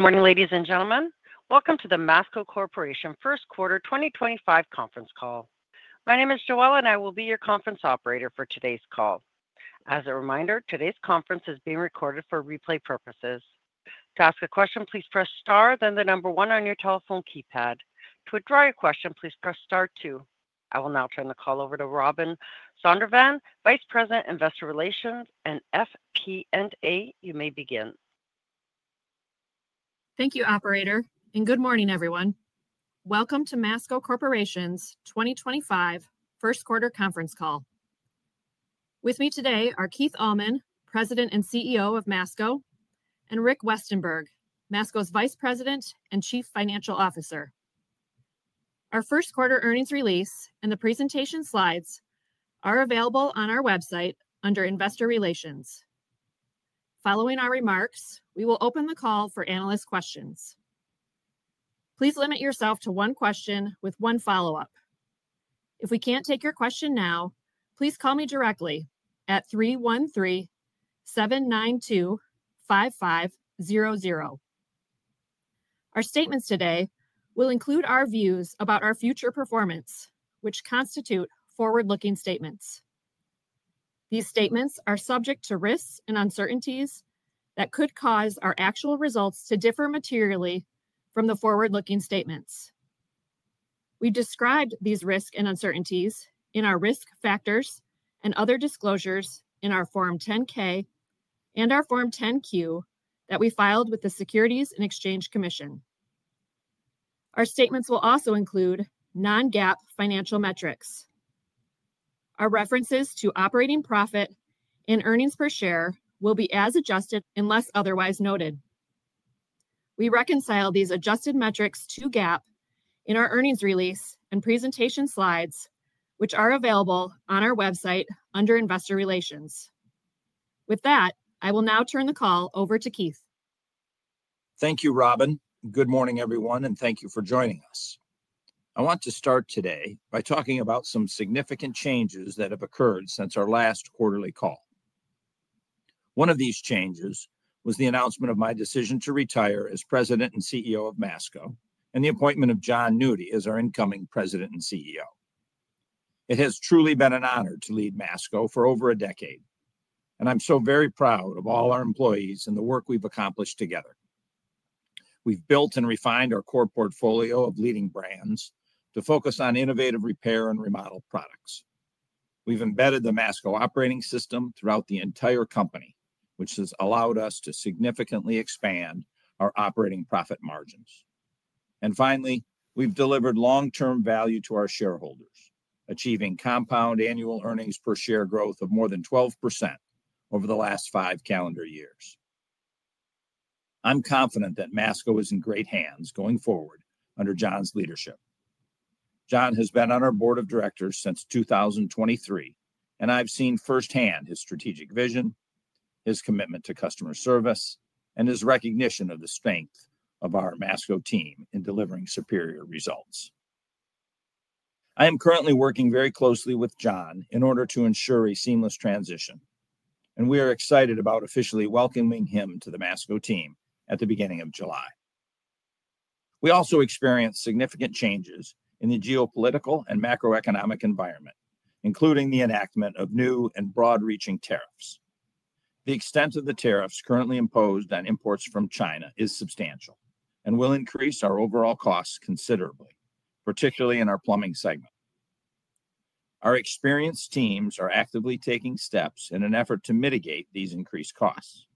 Good morning, ladies and gentlemen. Welcome to the Masco Corporation Q1 2025 conference call. My name is Joelle and I will be your conference operator for today's call. As a reminder, today's conference is being recorded for replay purposes. To ask a question, please press star, then the number one on your telephone keypad. To withdraw your question, please press star two. I will now turn the call over to Robin Zondervan, Vice President, Investor Relations and FP&A. You may begin. Thank you, operator. Good morning everyone. Welcome to Masco Corporation's 2025 Q1 conference call. With me today are Keith Allman, President and CEO of Masco, and Rick Westenberg, Masco's Vice President and Chief Financial Officer. Our Q1 earnings release and the presentation slides are available on our website under Investor Relations. Following our remarks, we will open the call for analyst questions. Please limit yourself to one question with one follow up. If we can't take your question now, please call me directly at 313-792-5500. Our statements today will include our views about our future performance which constitute forward looking statements. These statements are subject to risks and uncertainties that could cause our actual results to differ materially from the forward looking statements. We described these risks and uncertainties in our risk factors and other disclosures in our Form 10-K and our Form 10-Q that we filed with the Securities and Exchange Commission. Our statements will also include non-GAAP financial metrics. Our references to operating profit and earnings per share will be as adjusted unless otherwise noted. We reconcile these adjusted metrics to GAAP in our earnings release and presentation slides which are available on our website under Investor Relations. With that, I will now turn the call over to Keith. Thank you, Robin. Good morning everyone and thank you for joining us. I want to start today by talking about some significant changes that have occurred since our last quarterly call. One of these changes was the announcement of my decision to retire as President and CEO of Masco and the appointment of Jon Nudi as our incoming President and CEO. It has truly been an honor to lead Masco for over a decade and I'm so very proud of all our employees and the work we've accomplished. Together, we've built and refined our core portfolio of leading brands to focus on innovative repair and remodel products. We've embedded the Masco Operating System throughout the entire company, which has allowed us to significantly expand our operating profit margins. Finally, we've delivered long term value to our shareholders, achieving compound annual earnings per share growth of more than 12%. Over the last five calendar years. I'm confident that Masco is in great hands going forward under Jon's leadership. Jon has been on our Board of Directors since 2023 and I've seen firsthand his strategic vision, his commitment to customer service, and his recognition of the strength of our Masco team in delivering superior results. I am currently working very closely with Jon in order to ensure a seamless transition and we are excited about officially welcoming him to the Masco team at the beginning of July. We also experienced significant changes in the geopolitical and macroeconomic environment, including the enactment of new and broad reaching tariffs. The extent of the tariffs currently imposed on imports from China is substantial and will increase our overall costs considerably, particularly in our plumbing segment. Our experienced teams are actively taking steps in an effort to mitigate these increased costs.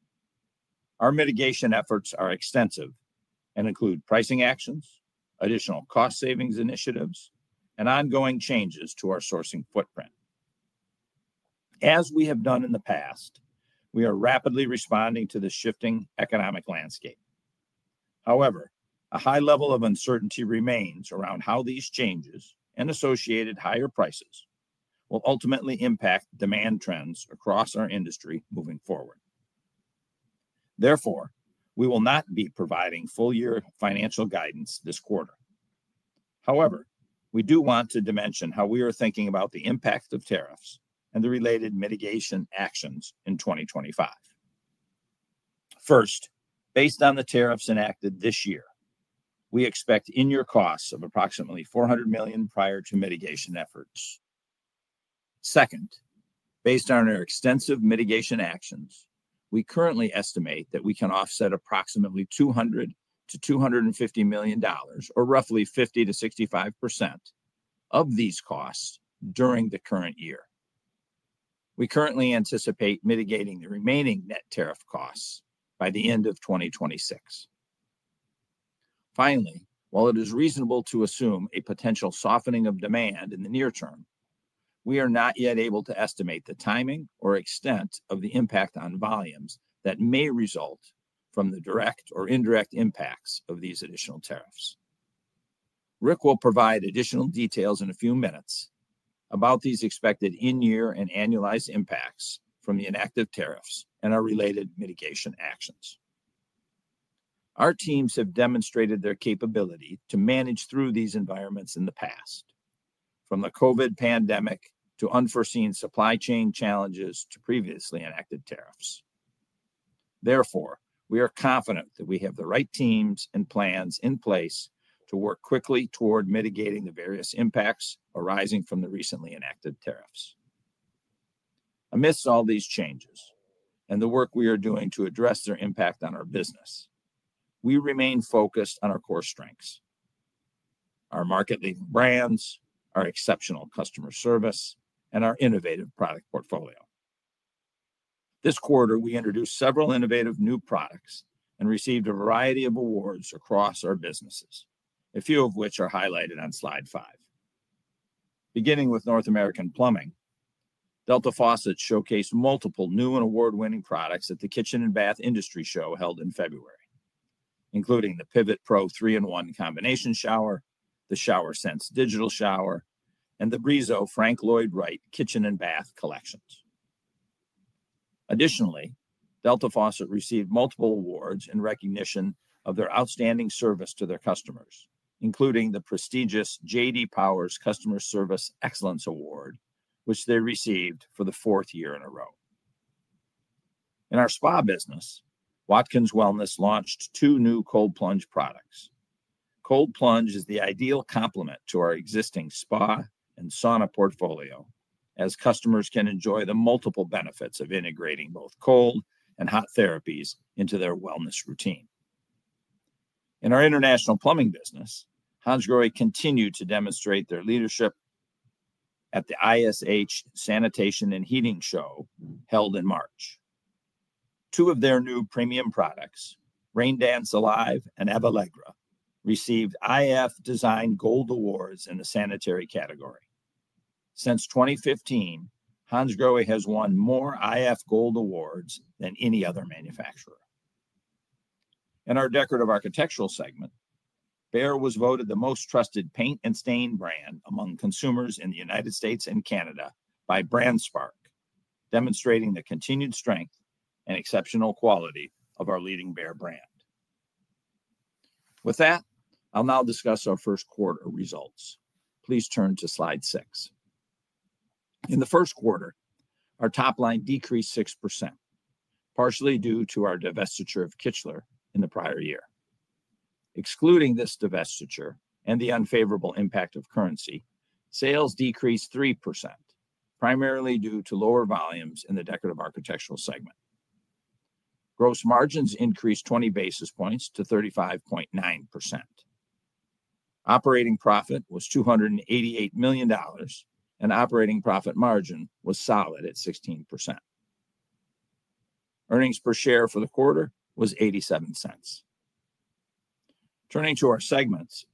Our mitigation efforts are extensive and include pricing actions, additional cost savings initiatives, and ongoing changes to our sourcing footprint. As we have done in the past, we are rapidly responding to the shifting economic landscape. However, a high level of uncertainty remains around how these changes and associated higher prices will ultimately impact demand trends across our industry moving forward. Therefore, we will not be providing full year financial guidance this quarter. However, we do want to dimension how we are thinking about the impact of tariffs and the related mitigation actions in 2025. First, based on the tariffs enacted this year, we expect in-year costs of approximately $400 million prior to mitigation efforts. Second, based on our extensive mitigation actions, we currently estimate that we can offset approximately $200-$250 million, or roughly 50%-65% of these costs during the current year. We currently anticipate mitigating the remaining net tariff costs by the end of 2026. Finally, while it is reasonable to assume a potential softening of demand in the near term, we are not yet able to estimate the timing or extent of the impact on volumes that may result from the direct or indirect impacts of these additional tariffs. Rick will provide additional details in a few minutes about these expected in year and annualized impacts from the inactive tariffs and our related mitigation actions. Our teams have demonstrated their capability to manage through these environments in the past, from the COVID pandemic to unforeseen supply chain challenges to previously enacted tariffs. Therefore, we are confident that we have the right teams and plans in place to work quickly toward mitigating the various impacts arising from the recently enacted tariffs. Amidst all these changes and the work we are doing to address their impact on our business, we remain focused on our core strengths, our market leading brands, our exceptional customer service, and our innovative product portfolio. This quarter we introduced several innovative new products and received a variety of awards across our businesses, a few of which are highlighted on slide 5. Beginning with North American Plumbing, Delta Faucet showcased multiple new and award winning products at the Kitchen and Bath Industry Show held in February, including the Pivot Pro 3-in-1 Combination Shower, the ShowerSense Digital Shower, and the Brizo Frank Lloyd Wright Kitchen and Bath Collections. Additionally, Delta Faucet received multiple awards in recognition of their outstanding service to their customers, including the prestigious J.D. Power Customer Service Excellence Award, which they received for the fourth year in a row. In our spa business, Watkins Wellness launched two new cold plunge products. Cold plunge is the ideal complement to our existing spa and sauna portfolio as customers can enjoy the multiple benefits of integrating both cold and hot therapies into their wellness routine. In our international plumbing business, Hansgrohe continued to demonstrate their leadership at the ISH Sanitation and Heating show held in March. Two of their new premium products, Raindance Alive and Allegra, received iF Design Gold awards in the sanitary category. Since 2015, Hansgrohe has won more iF Gold awards than any other manufacturer. In our decorative architectural segment, Behr was voted the most trusted paint and stain brand among consumers in the United States and Canada by BrandSpark, demonstrating the continued strength and exceptional quality of our leading Behr brand. With that, I'll now discuss our Q1 results. Please turn to Slide 6. In the Q1, our top line decreased 6%, partially due to our divestiture of Kichler in the prior year. Excluding this divestiture and the unfavorable impact of currency, sales decreased 3% primarily due to lower volumes. In the decorative architectural segment, gross margins increased 20 basis points to 35.9%, operating profit was $288 million and operating profit margin was solid at 16%. Earnings per share for the quarter was $0.87. Turning to our segments,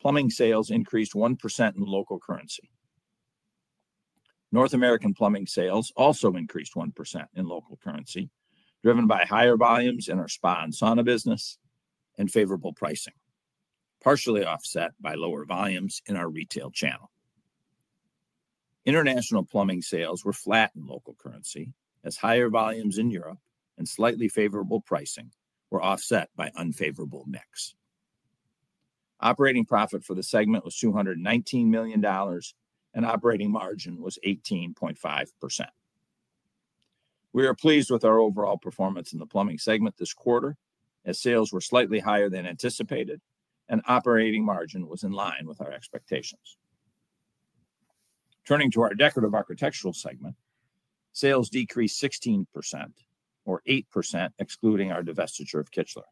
plumbing sales increased 1% in local currency. North American plumbing sales also increased 1% in local currency, driven by higher volumes in our spa and sauna business and favorable pricing partially offset by lower volumes in our retail channel. International plumbing sales were flat in local currency as higher volumes in Europe and slightly favorable pricing were offset by unfavorable mix. Operating profit for the segment was $219 million and operating margin was 18.5%. We are pleased with our overall performance in the plumbing segment this quarter as sales were slightly higher than anticipated and operating margin was in line with our expectations. Turning to our decorative architectural segment, sales decreased 16% or 8% excluding our divestiture of Kichler.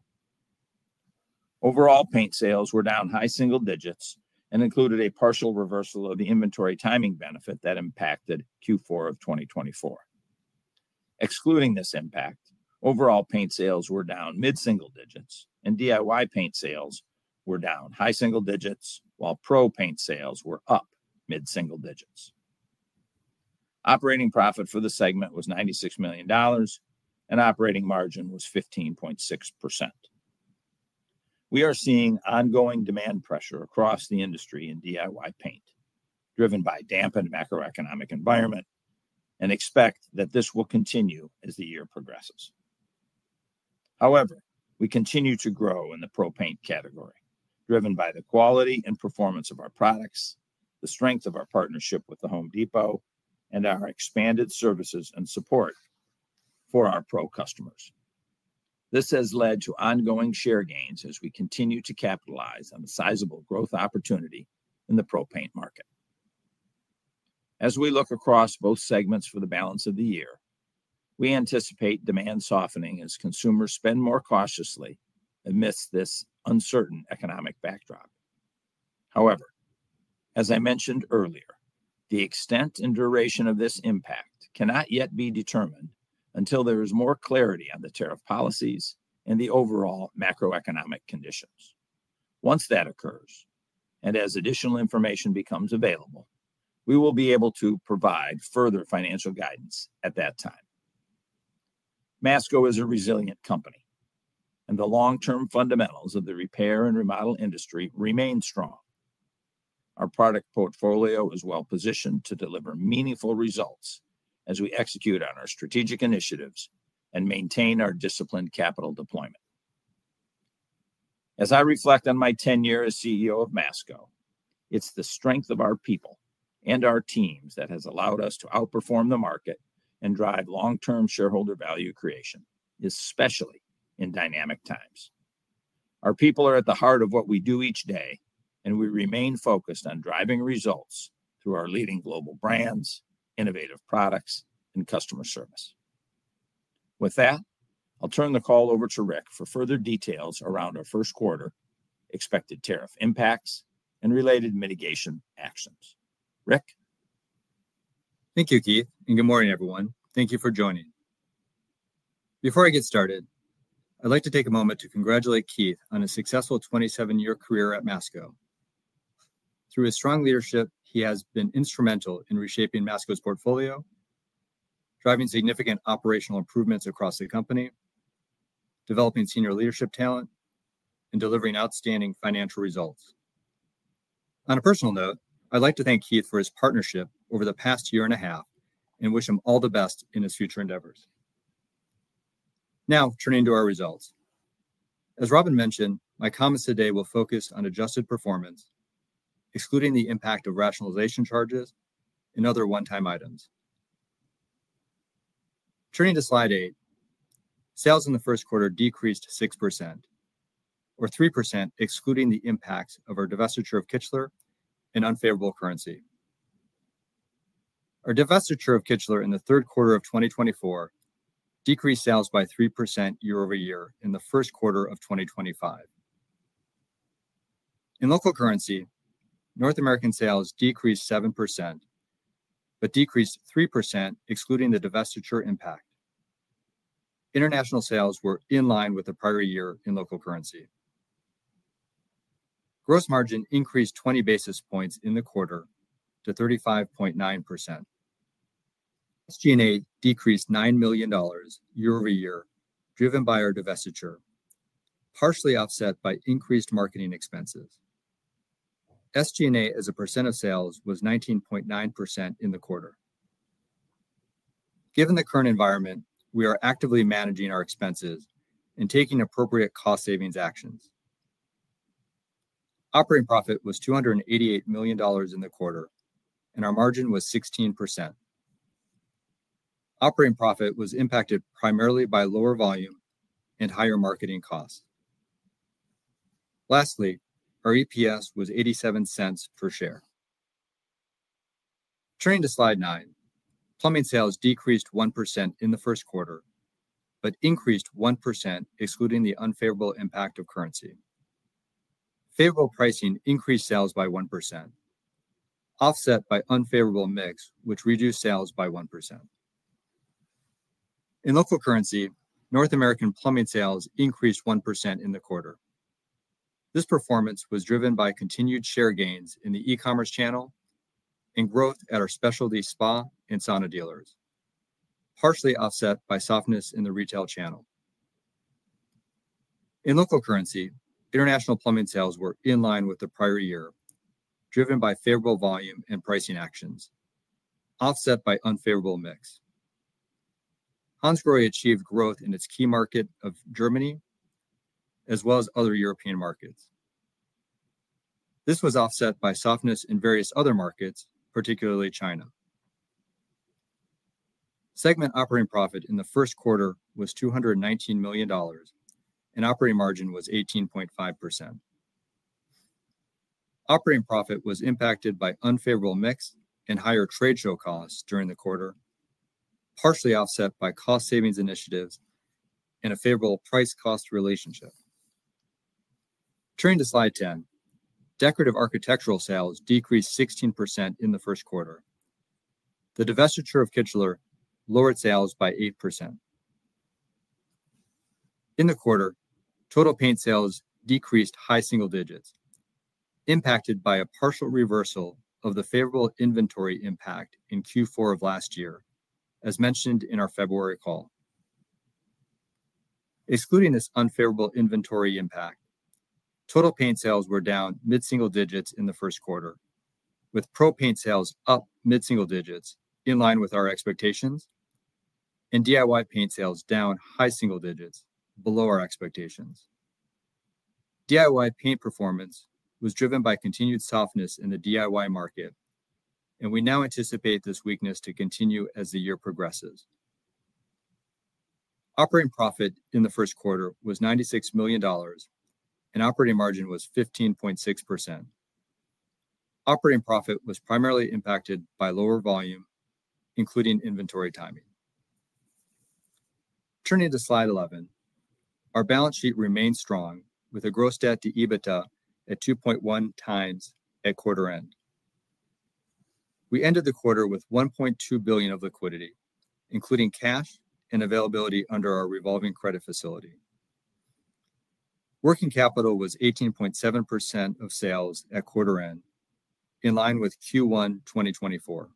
Overall paint sales were down high single digits and included a partial reversal of the inventory timing benefit that impacted Q4 of 2024. Excluding this impact, overall paint sales were down mid single digits and DIY paint sales were down high single digits while pro paint sales were up mid single digits. Operating profit for the segment was $96 million and operating margin was 15.6%. We are seeing ongoing demand pressure across the industry in DIY paint driven by dampened macroeconomic environment and expect that this will continue as the year progresses. However, we continue to grow in the pro paint category driven by the quality and performance of our products, the strength of our partnership with the Home Depot and our expanded services and support for our pro customers. This has led to ongoing share gains as we continue to capitalize on a sizable growth opportunity in the pro paint market. As we look across both segments for the balance of the year, we anticipate demand softening as consumers spend more cautiously amidst this uncertain economic backdrop. However, as I mentioned earlier, the extent and duration of this impact cannot yet be determined until there is more clarity on the tariff policies and the overall macroeconomic conditions. Once that occurs and as additional information becomes available, we will be able to provide further financial guidance at that time. Masco is a resilient company and the long term fundamentals of the repair and remodel industry remain strong. Our product portfolio is well positioned to deliver meaningful results as we execute on our strategic initiatives and maintain our disciplined capital deployment. As I reflect on my tenure as CEO of Masco, it's the strength of our people and our teams that has allowed us to outperform the market and drive long term shareholder value creation, especially in dynamic times. Our people are at the heart of what we do each day and we remain focused on driving results through our leading global brands, innovative products and customer service. With that, I'll turn the call over to Rick for further details around our Q1, expected tariff impacts and related mitigation actions. Rick, Thank you, Keith, and good morning everyone. Thank you for joining. Before I get started, I'd like to take a moment to congratulate Keith on a successful 27 year career at Masco. Through his strong leadership, he has been instrumental in reshaping Masco's portfolio, driving significant operational improvements across the company, developing senior leadership talent, and delivering outstanding financial results. On a personal note, I'd like to thank Keith for his partnership over the past year and a half and wish him all the best in his future endeavors. Now turning to our results. As Robin mentioned, my comments today will focus on adjusted performance excluding the impact of rationalization charges and other one time items. Turning to Slide 8, sales in the Q1 decreased 6% or 3% excluding the impact of our divestiture of Kichler and unfavorable currency. Our divestiture of Kichler in the Q3 of 2024 decreased sales by 3% year over year. In the Q1 of 2025. In local currency, North American sales decreased 7% but decreased 3% excluding the divestiture impact. International sales were in line with the prior year in local currency. Gross margin increased 20 basis points in the quarter to 35.9%. SG&A decreased $9 million year over year driven by our divestiture partially offset by increased marketing expenses. SG&A as a percent of sales was 19.9% in the quarter. Given the current environment, we are actively managing our expenses and taking appropriate cost savings actions. Operating profit was $288 million in the quarter and our margin was 16%. Operating profit was impacted primarily by lower volume and higher marketing costs. Lastly, our EPS was $0.87 per share. Turning to Slide 9, plumbing sales decreased 1% in the Q1 but increased 1% excluding the unfavorable impact of currency. Favorable pricing increased sales by 1% offset by unfavorable mix which reduced sales by 1% in local currency. North American plumbing sales increased 1% in the quarter. This performance was driven by continued share gains in the e-commerce channel and growth at our specialty spa and sauna dealers, partially offset by softness in the retail channel. In local currency, international plumbing sales were in line with the prior year driven by favorable volume and pricing actions offset by unfavorable mix. Hansgrohe achieved growth in its key market of Germany as well as other European markets. This was offset by softness in various other markets, particularly China. Segment operating profit in the Q1 was $219 million and operating margin was 18.5%. Operating profit was impacted by unfavorable mix and higher trade show costs during the quarter, partially offset by cost savings initiatives and a favorable price cost relationship. Turning to Slide 10, decorative architectural sales decreased 16% in the Q1. The divestiture of Kichler lowered sales by 8% in the quarter. Total paint sales decreased high single digits, impacted by a partial reversal of the favorable inventory impact in Q4 of last year. As mentioned in our February call, excluding this unfavorable inventory impact, total paint sales were down mid single digits in the Q1, with pro paint sales up mid single digits in line with our expectations and DIY paint sales down high single digits below our expectations. DIY paint performance was driven by continued softness in the DIY market, and we now anticipate this weakness to continue as the year progresses. Operating profit in the Q1 was $96 million and operating margin was 15.6%. Operating profit was primarily impacted by lower volume, including inventory timing. Turning to slide 11, our balance sheet remains strong with a gross debt to EBITDA at 2.1 times at quarter end. We ended the quarter with $1.2 billion of liquidity, including cash and availability under our revolving credit facility. Working capital was 18.7% of sales at quarter end, in line with Q1 2024.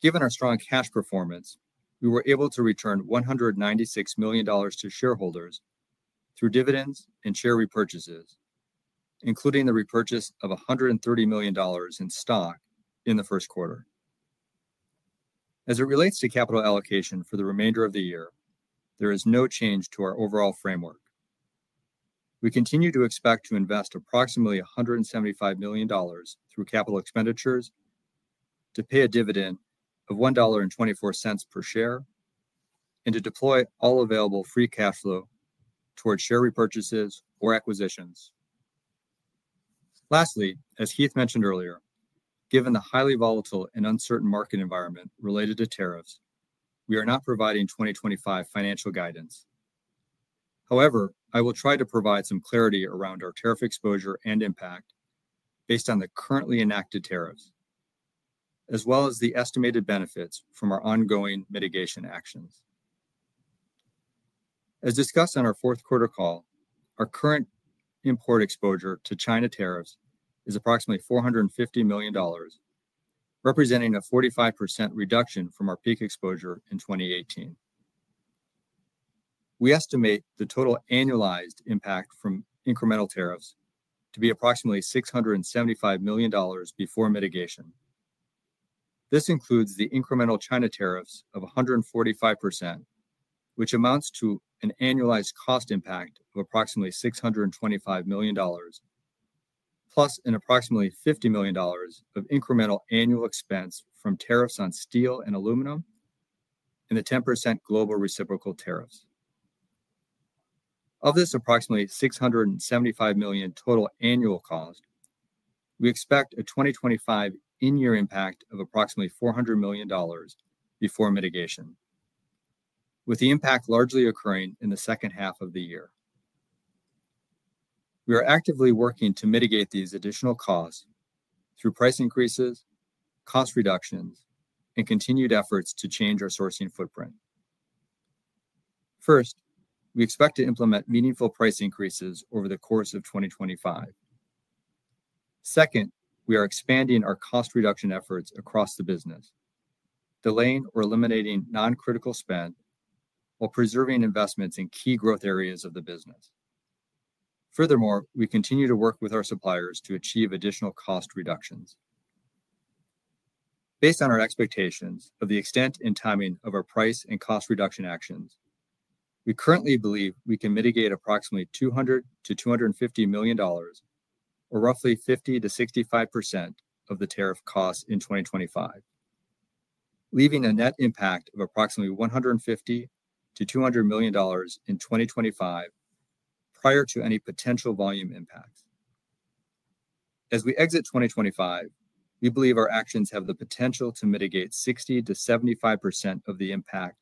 Given our strong cash performance, we were able to return $196 million to shareholders through dividends and share repurchases, including the repurchase of $130 million in stock in the Q1. As it relates to capital allocation for the remainder of the year, there is no change to our overall framework. We continue to expect to invest approximately $175 million through capital expenditures, to pay a dividend of $1.24 per share, and to deploy all available free cash flow towards share repurchases or acquisitions. Lastly, as Keith mentioned earlier, given the highly volatile and uncertain market environment related to tariffs, we are not providing 2025 financial guidance. However, I will try to provide some clarity around our tariff exposure and impact based on the currently enacted tariffs as well as the estimated benefits from our ongoing mitigation actions. As discussed on our Q4 call, our current import exposure to China tariffs is approximately $450 million, representing a 45% reduction from our peak exposure in 2018. We estimate the total annualized impact from incremental tariffs to be approximately $675 million before mitigation. This includes the incremental China tariffs of 145%, which amounts to an annualized cost impact of approximately $625 million plus an approximately $50 million of incremental annual expense from tariffs on steel and aluminum and the 10% global reciprocal tariffs of this approximately $675 million total annual cost. We expect a 2025 in year impact of approximately $400 million before mitigation, with the impact largely occurring in the second half of the year. We are actively working to mitigate these additional costs through price increases, cost reductions and continued efforts to change our sourcing footprint. First, we expect to implement meaningful price increases over the course of 2025. Second, we are expanding our cost reduction efforts across the business, delaying or eliminating non critical spend while preserving investments in key growth areas of the business. Furthermore, we continue to work with our suppliers to achieve additional cost reductions based on our expectations of the extent and timing of our price and cost reduction actions. We currently believe we can mitigate approximately $200 million to $250 million, or roughly 50%-65% of the tariff costs in 2025, leaving a net impact of approximately $150 million to $200 million in 2025 prior to any potential volume impacts as we exit 2025. We believe our actions have the potential to mitigate 60%-75% of the impact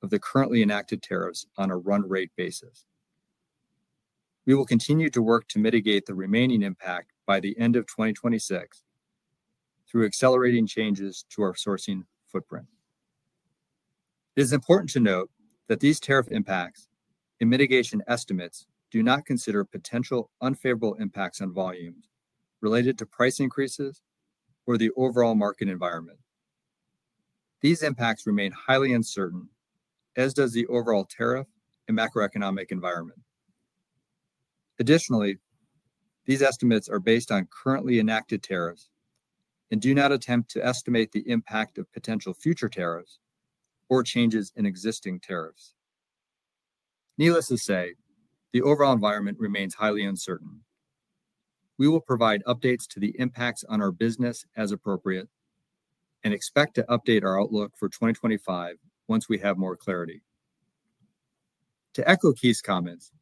of the currently enacted tariffs on a run rate basis. We will continue to work to mitigate the remaining impact by the end of 2026 through accelerating changes to our sourcing footprint. It is important to note that these tariff impacts and mitigation estimates do not consider potential unfavorable impacts on volumes related to price increases or the overall market environment. These impacts remain highly uncertain, as does the overall tariff and macroeconomic environment. Additionally, these estimates are based on currently enacted tariffs and do not attempt to estimate the impact of potential future tariffs or changes in existing tariffs. Needless to say, the overall environment remains highly uncertain. We will provide updates to the impacts on our business as appropriate and expect to update our outlook for 2025 once we have more clarity. To echo Keith's comments,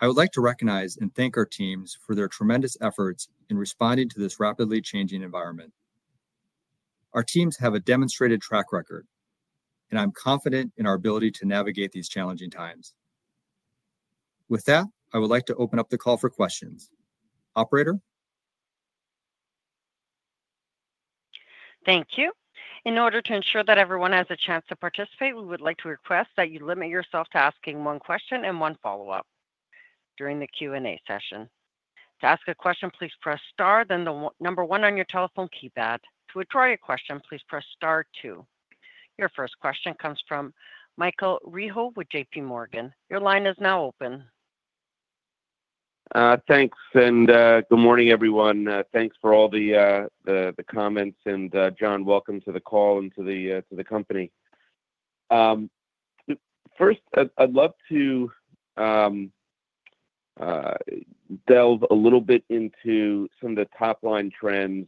I would like to recognize and thank our teams for their tremendous efforts in responding to this rapidly changing environment. Our teams have a demonstrated track record and I'm confident in our ability to navigate these challenging times. With that, I would like to open up the call for questions. Operator. Thank you. In order to ensure that everyone has a chance to participate, we would like to request that you limit yourself to asking one question and one follow up during the Q and A session. To ask a question please press star then the number one on your telephone keypad. To withdraw your question, please press star two. Your first question comes from Michael Rehaut with JPMorgan. Your line is now open. Thanks and good morning everyone. Thanks for all the comments and Jon, welcome to the call and to the company. First, I'd love to delve a little bit into some of the top line trends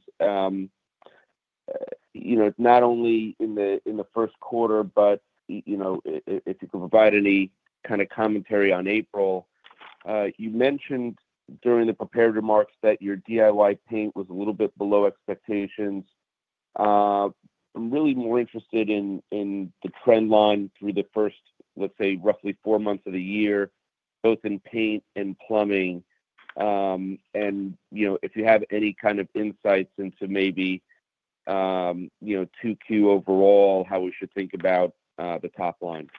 not only in the Q1 but you know if you could provide any kind of commentary on April. You mentioned during the prepared remarks that your DIY paint was a little bit below expectations. I'm really more interested in the trend line through the first let's say roughly four months of the year both in paint and plumbing. And you know, if you have any kind of insights into maybe, you know, Q2 overall, how we should think about the top line.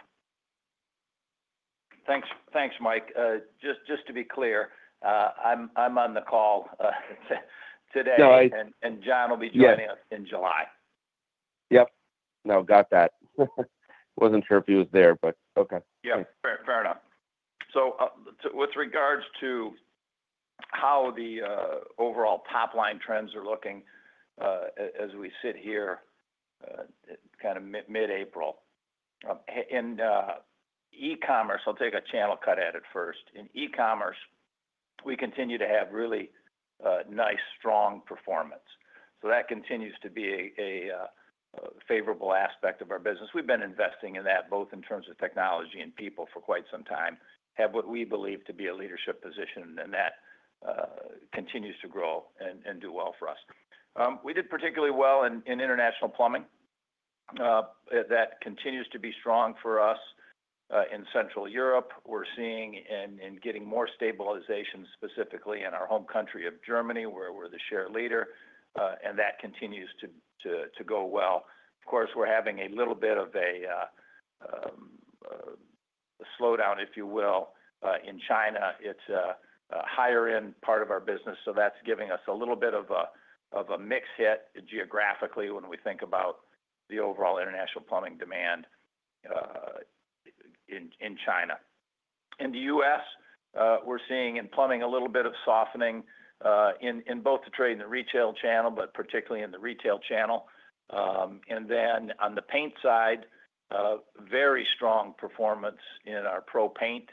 Thanks. Thanks Mike. Just to be clear, I'm on the call today and Jon will be joining us in July. Yep. Now got that. Wasn't sure if he was there, but okay. Yeah, fair enough. With regards to how the overall top line trends are looking as we sit here kind of mid April in e-commerce, I'll take a channel cut at it first. In e-commerce we continue to have really nice strong performance. That continues to be a favorable aspect of our business. We've been investing in that both in terms of technology and people for quite some time. Have what we believe to be a leadership position and that continues to grow and do well for us. We did particularly well in international plumbing. That continues to be strong for us in Central Europe. We're seeing and getting more stabilization, specifically in our home country of Germany where we're the share leader and that continues to go well. Of course we're having a little bit of a slowdown, if you will, in China. It's higher end part of our business. That's giving us a little bit of a mix hit geographically when we think about the overall international plumbing demand in China. In the U.S. we're seeing in plumbing a little bit of softening in both the trade and the retail channel, but particularly in the retail channel. On the paint side, very strong performance in our pro paint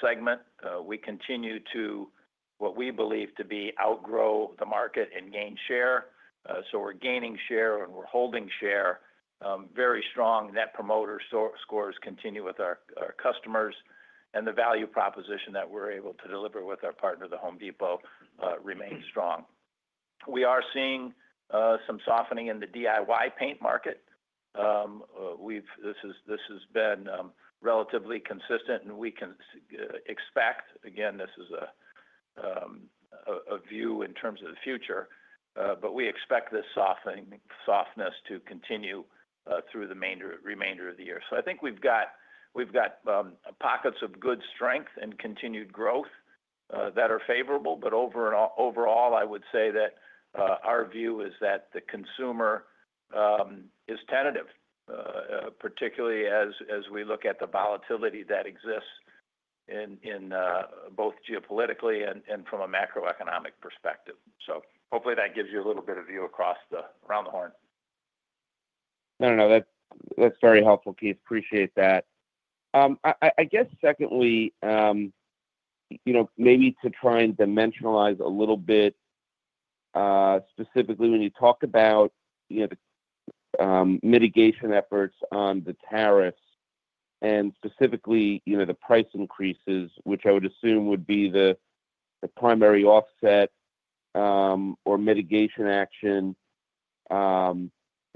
segment. We continue to what we believe to be outgrow the market and gain share. We're gaining share and we're holding share very strong. Net Promoter Scores continue with our customers and the value proposition that we're able to deliver with our partner, the Home Depot, remains strong. We are seeing some softening in the DIY paint market. This has been relatively consistent and we can expect again this is a view. In terms of the future. We expect this softness to continue through the remainder of the year. I think we've got pockets of good strength and continued growth that are favorable. Overall, I would say that our view is that the consumer is tentative, particularly as we look at the volatility that exists both geopolitically and from a macroeconomic perspective. Hopefully that gives you a little bit of view across the around the horn. No, no, that's very helpful, Keith. Appreciate that. I guess secondly, you know, maybe to try and dimensionalize a little bit specifically when you talk about, you know, the mitigation efforts on the tariffs and specifically, you know, the price increases, which I would assume would be the primary offset or mitigation action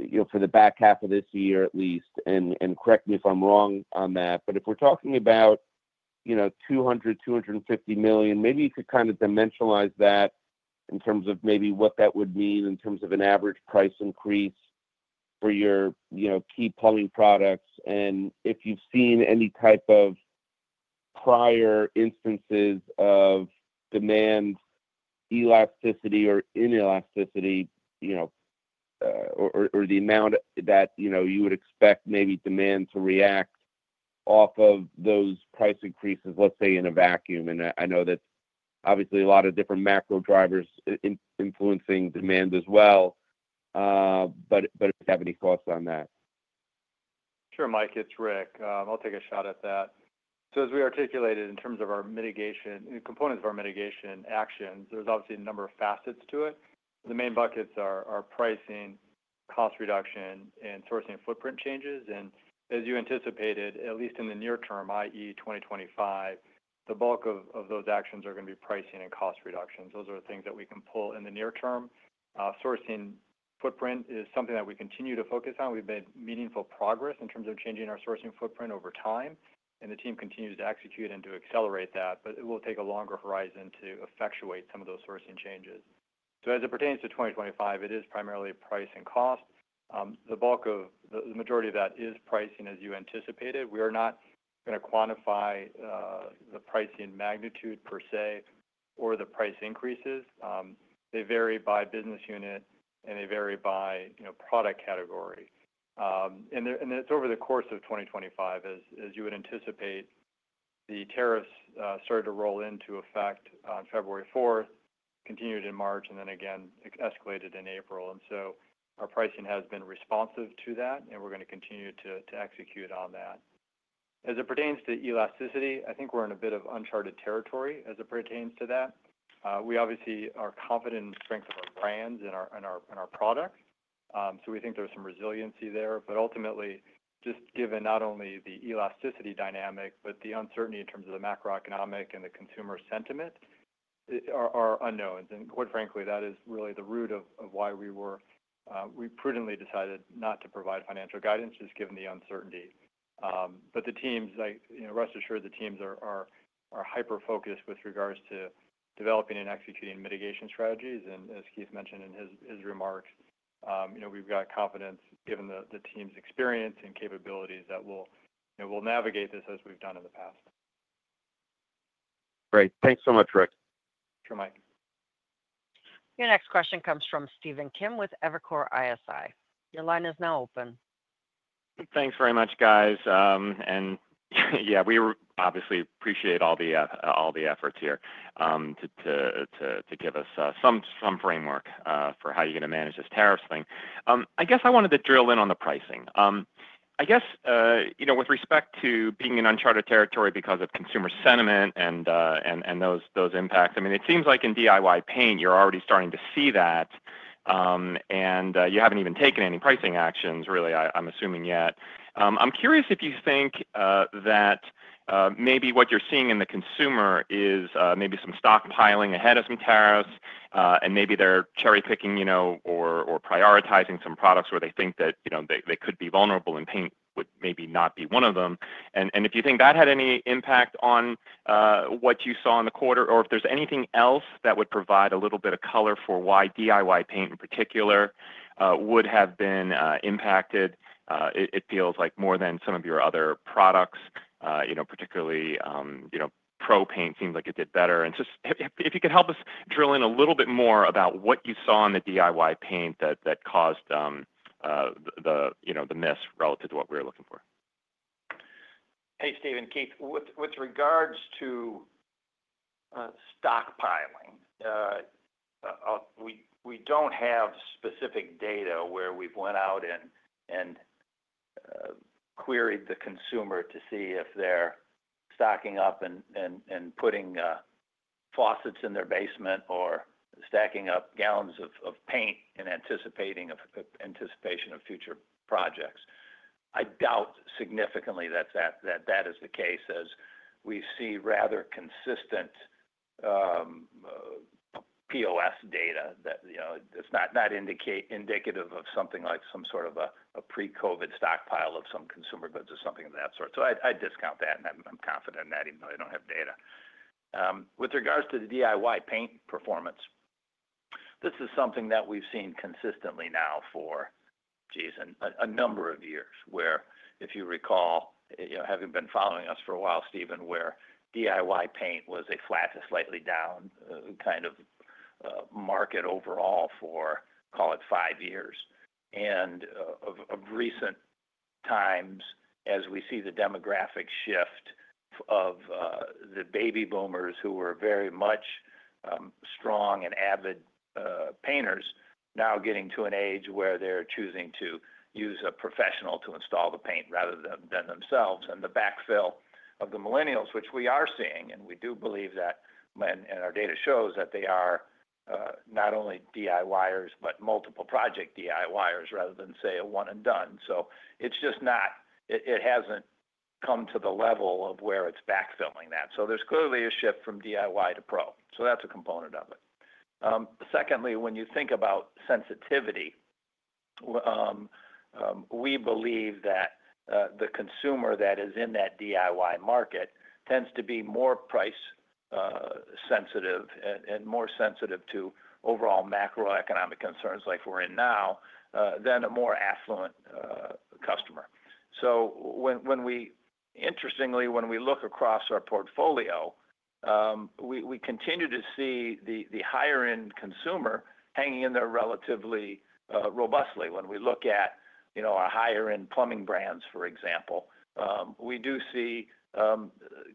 you know, for the back half of this year at least, and correct me if I'm wrong on that, but if we're talking about, you know, $200 million-$250 million, maybe you could kind of dimensionalize that in terms of maybe what that would mean in terms of an average price increase for your, you know, key plumbing products. If you've seen any type of prior instances of demand elasticity or inelasticity or the amount that you would expect, maybe demand to react off of those price increases, let's say, in a vacuum. I know that obviously a lot of different macro drivers influencing demand as well, but have any costs on that? Sure, Mike, it's Rick, I'll take a shot at that. As we articulated in terms of our mitigation components of our mitigation actions, there's obviously a number of facets to it. The main buckets are pricing, cost reduction and sourcing footprint changes. As you anticipated, at least in the near term, that is 2025, the bulk of those actions are going to be pricing and cost reductions. Those are things that we can pull in. The near term sourcing footprint is something that we continue to focus on. We've made meaningful progress in terms of changing our sourcing footprint over time, and the team continues to execute and to accelerate that. It will take a longer horizon to effectuate some of those sourcing changes. As it pertains to 2025, it is primarily price and cost. The bulk of the majority of that is pricing. As you anticipated, we are not going to quantify the pricing magnitude per se or the price increases. They vary by business unit and they vary by product category. It is over the course of 2025, as you would anticipate, the tariffs started to roll into effect on February 4, continued in March, and then again escalated in April. Our pricing has been responsive to that, and we're going to continue to execute on that. As it pertains to elasticity, I think we're in a bit of uncharted territory as it pertains to that. We obviously are confident in the strength of our brands and our products, so we think there's some resiliency there. Ultimately, just given not only the elasticity dynamic, but the uncertainty in terms of the macroeconomic and the consumer sentiment are unknowns. Quite frankly, that is really the root of why we prudently decided not to provide financial guidance just given the uncertainty, but the teams, rest assured the teams are hyper focused with regards to developing and executing mitigation strategies. As Keith mentioned in his remarks, you know, we've got confidence given the team's experience and capabilities that we'll navigate this as we've done in the past. Great. Thanks so much, Rick. Sure. Mike. Your next question comes from Stephen Kim with Evercore ISI. Your line is now open. Thanks very much guys. Yeah, we obviously appreciate all the efforts here to give us some framework for how you're going to manage this tariffs thing. I guess I wanted to drill in on the pricing, I guess, you know, with respect to being in uncharted territory because of consumer sentiment and those impacts. I mean, it seems like in DIY paint you're already starting to see that and you haven't even taken any pricing actions really, I'm assuming yet. I'm curious if you think that maybe what you're seeing in the consumer is maybe some stockpiling ahead of some tariffs and maybe they're cherry picking, you know, or prioritizing some products where they think that, you know, they could be vulnerable and paint would maybe not be one of them. If you think that had any impact on what you saw in the quarter or if there's anything else that would provide a little bit of color for why DIY paint in particular would have been impacted, it feels like more than some of your other products, particularly pro paint, seemed like it did better. If you could help us drill in a little bit more about what you saw in the DIY paint that caused the mess relative to what we were looking for. Hey Stephen, Keith, with regards to stockpiling, we do not have specific data where we have went out and queried the consumer to see if they are stocking up and putting faucets in their basement or stacking up gallons of paint in anticipation of future projects. I doubt significantly that that is the case as we see rather consistent POS data that, you know, it is not indicative of something like some sort of a pre COVID stockpile of some consumer goods or something of that sort. I discount that and I am confident in that. Even though they do not have data with regards to the DIY paint performance. This is something that we've seen consistently now for, geez, a number of years where, if you recall having been following us for a while, Stephen, where DIY paint was a flat to slightly down kind of market overall for, call it, five years and of recent times as we see the demographic shift of the baby boomers who were very much strong and avid painters, now getting to an age where they're choosing to use a professional to install the paint rather than themselves and the backfill of the millennials which we are seeing, and we do believe that, and our data shows that they are not only DIYers but multiple project DIYers rather than, say, a one and done. It just has not come to the level of where it's backfilling that. There is clearly a shift from DIY to pro. That's a component of it. Secondly, when you think about sensitivity, we believe that the consumer that is in that DIY market tends to be more price sensitive and more sensitive to overall macroeconomic concerns like we're in now than a more affluent customer. When we, interestingly, when we look across our portfolio, we continue to see the higher end consumer hanging in there relatively robustly. When we look at, you know, our higher end plumbing brands, for example, we do see,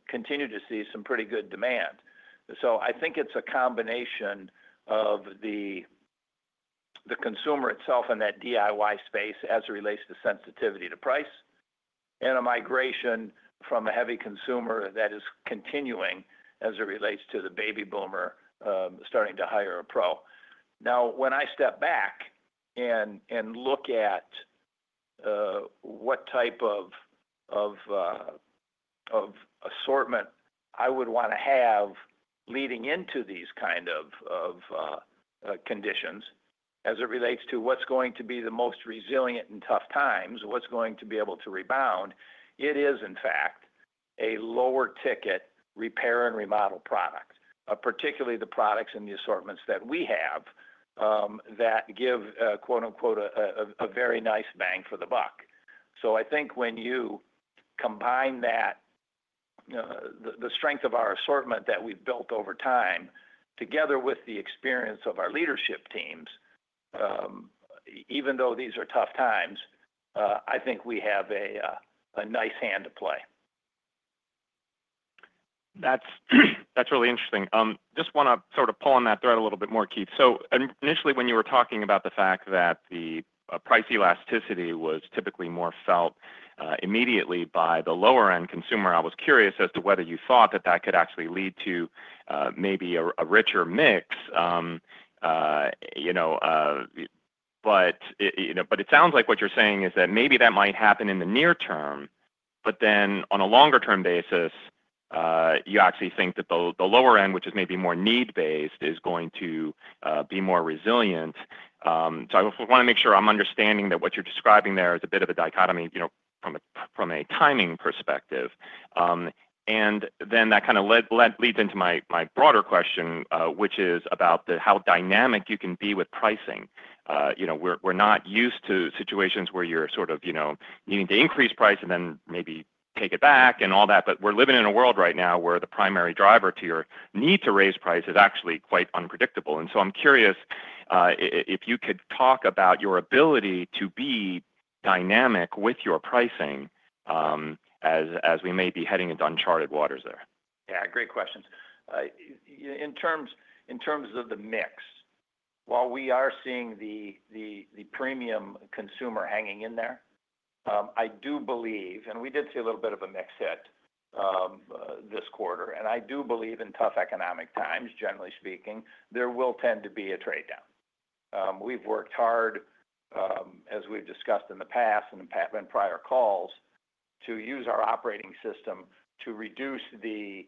continue to see some pretty good demand. I think it's a combination of the consumer itself in that DIY space as it relates to sensitivity to price and a migration from a heavy consumer that is continuing as it relates to the baby boomer starting to hire a pro. Now, when I step back and look at what type of assortment I would want to have leading into these kind of conditions as it relates to what's going to be the most resilient and tough times, what's going to be able to rebound. It is in fact a lower ticket repair and remodel product, particularly the products and the assortments that we have that give, quote unquote, a very nice bang for the buck. I think when you combine that, the strength of our assortment that we've built over time together with the experience of our leadership teams, even though these are tough times, I think we have a nice hand to play. That's really interesting. Just want to sort of pull on that thread a little bit more. Keith, Initially when you were talking about the fact that the price elasticity was typically more felt immediately by the lower end consumer, I was curious as to whether you thought that that could actually lead to maybe a richer mix. It sounds like what you're saying is that maybe that might happen in the near term, but then on a longer term basis you actually think that the lower end, which is maybe more need based, is going to be more resilient. I want to make sure I'm understanding that what you're describing there is a bit of a dichotomy from a timing perspective. That kind of leads into my broader question which is about how dynamic you can be with pricing. We're not used to situations where you're sort of needing to increase price and then maybe take it back and all that, but we're living in a world right now where the primary driver to your need to raise price is actually quite unpredictable. I am curious if you could talk about your ability to be dynamic with your pricing as we may be heading into uncharted waters there. Yeah, great questions. In terms of the mix, while we are seeing the premium consumer hanging in there, I do believe, and we did see a little bit of a mix hit this quarter and I do believe in tough economic times, generally speaking, there will tend to be a trade down. We've worked hard, as we've discussed in the past and prior calls, to use our operating system to reduce the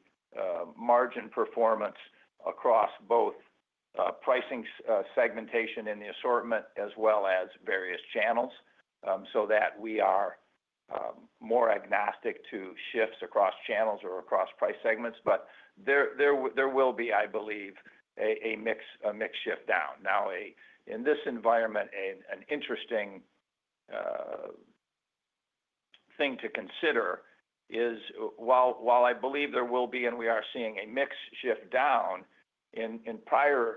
margin performance across both pricing segmentation in the assortment as well as various channels so that we are more agnostic to shifts across channels or across price segments. There will be, I believe, a mix shift down. Now in this environment, an interesting thing to consider is while I believe there will be and we are seeing a mix shift down in prior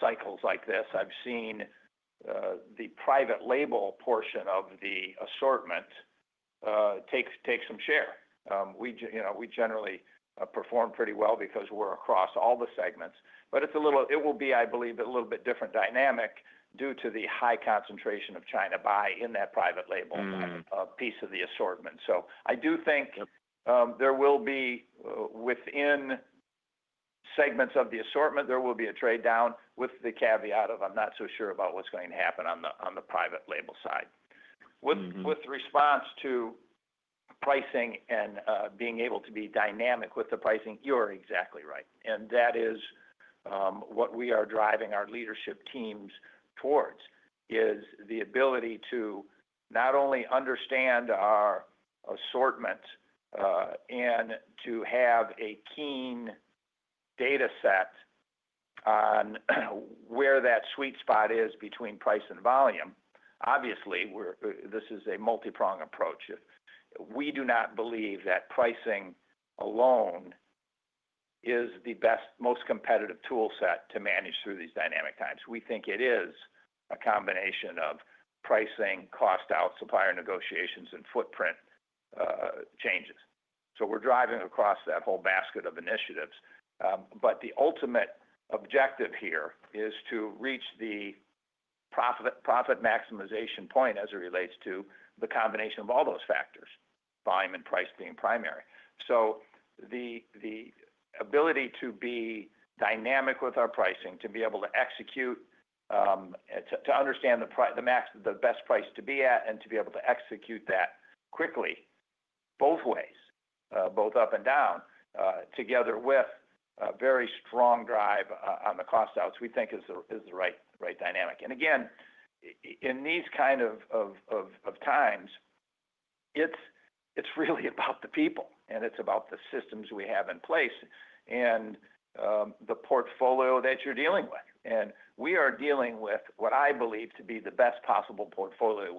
cycles like this, I've seen the private label portion of the assortment take some share. We generally perform pretty well because we're across all the segments. It will be, I believe, a little bit different dynamic due to the high concentration of China buy in that private label piece of the assortment. I do think there will be within segments of the assortment there will be a trade down. With the caveat of I'm not so sure about what's going to happen on the private label side with response to pricing and being able to be dynamic with the pricing. You're exactly right. That is what we are driving our leadership teams towards, the ability to not only understand our assortment and to have a keen data set on where that sweet spot is between price and volume. Obviously this is a multi prong approach. We do not believe that pricing alone is the best, most competitive tool set to manage through these dynamic times. We think it is a combination of pricing, cost out supplier negotiations and footprint changes. We are driving across that whole basket of initiatives. The ultimate objective here is to reach the profit maximization point as it relates to the combination of all those factors, volume and price being primary. The ability to be dynamic with our pricing, to be able to execute, to understand the best price to be at and to be able to execute that quickly both ways, both up and down together with very strong drive on the cost outs, we think is the right dynamic. Again, in these kind of times, it's really about the people and it's about the systems we have in place and the portfolio that you're dealing with. We are dealing with what I believe to be the best possible portfolio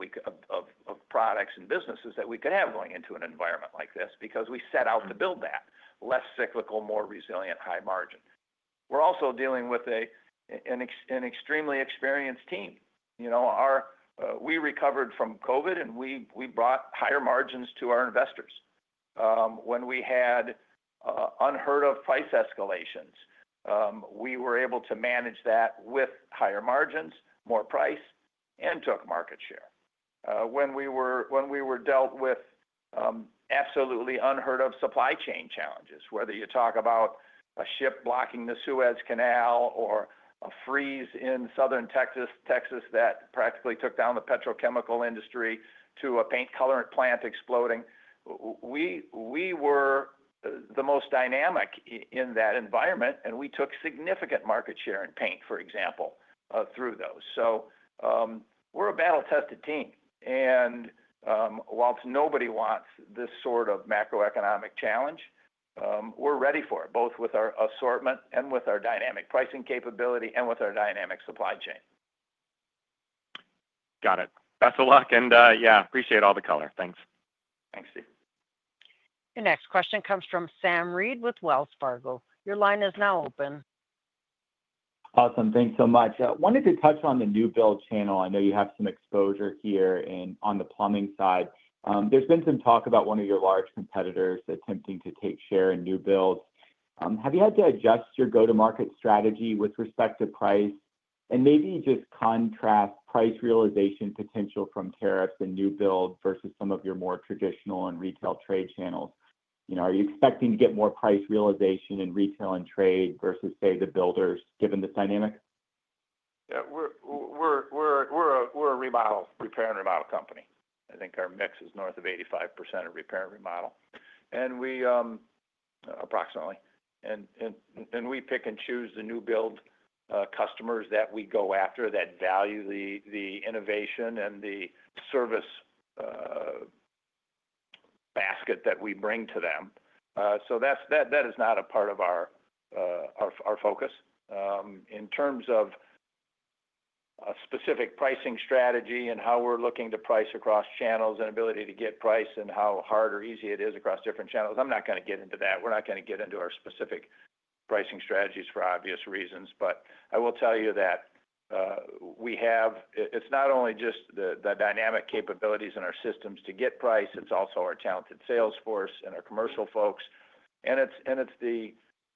of products and businesses that we could have going into an environment like this. Because we set out to build that less cyclical, more resilient high margin. We're also dealing with an extremely experienced team. You know, we recovered from COVID and we brought higher margins to our investors when we had unheard of price escalations, we were able to manage that with higher margins, more price and took market share when we were dealt with absolutely unheard of supply chain challenges. Whether you talk about a ship blocking the Suez Canal or a freeze in southern Texas that practically took down the petrochemical industry to a paint colorant plant exploding, we were the most dynamic in that environment and we took significant market share in paint, for example, through those. We are a battle tested team. Whilst nobody wants this sort of macroeconomic challenge, we are ready for it both with our assortment and with our dynamic pricing capability and with our dynamic supply chain. Got it. Best of luck and yeah, appreciate all the color. Thanks. Thanks, Steve. The next question comes from Sam Reed with Wells Fargo. Your line is now open. Awesome, thanks so much. Wanted to touch on the new build channel I know you have some exposure here On the plumbing side, there's been some talk about one of your large competitors attempting to take share in new builds. Have you had to adjust your go to market strategy with respect to price. Maybe just contrast price realization potential from tariffs and new build versus some of your more traditional and retail trade channels you know, are you expecting to get more price realization in retail and trade versus say the builders given this dynamic? We're a repair and remodel company. I think our mix is north of 85% of repair and remodel and we pick and choose the new build customers that we go after that value the innovation and the service basket that we bring to them. That is not a part of our focus in terms of a specific pricing strategy and how we're looking to price across channels and ability to get price and how hard or easy it is across different channels. I'm not going to get into that. We're not going to get into our specific pricing strategies for obvious reasons. I will tell you that we have. It's not only just the dynamic capabilities in our systems to get price, it's also our talented sales force and our commercial folks and it's the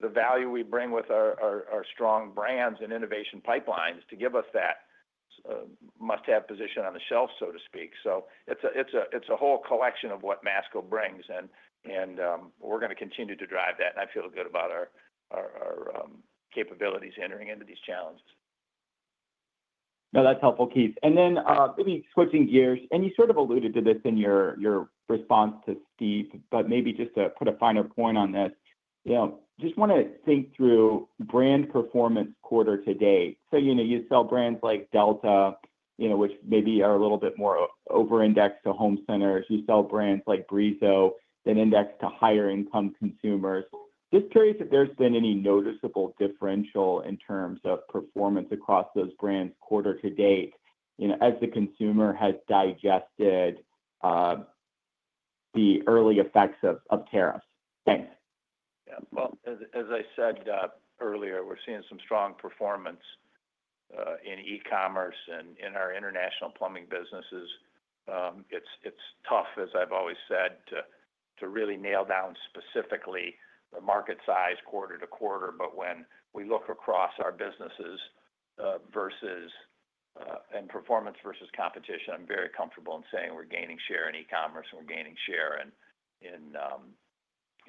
value we bring with our strong brands and innovation pipelines to give us that must have position on the shelf, so to speak. It's a whole collection of what Masco brings and we're going to continue to drive that. I feel good about our capabilities entering into these challenges. No, that's helpful Keith. Maybe switching gears and you sort of alluded to this in your your response to Steve, but maybe just to put a finer point on this you know, just want to think through brand performance quarter to date you know you sell brands like Delta, you know, which maybe are a little bit more over-indexed to home centers. You sell brands like Brizo that index to higher income consumers. Just curious if there's been any noticeable differential in terms of performance across those brands quarter to date as the consumer has digested the early effects of tariffs. Thanks. As I said earlier, we're seeing some strong performance in e-commerce and in our international plumbing businesses. It's tough, as I've always said, to really nail down specifically the market size quarter to quarter. But when we look across our businesses versus and performance versus competition, I'm very comfortable in saying we're gaining share in e-commerce and we're gaining share in